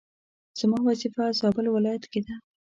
زما وظيفه زابل ولايت کي ده